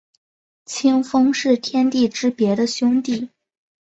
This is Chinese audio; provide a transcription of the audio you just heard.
清风是天地之别的兄弟。